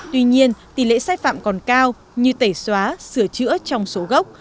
tuy nhiên tỷ lệ sai phạm còn cao như tẩy xóa sửa chữa trong số gốc